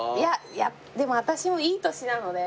いやでも私もいい年なので。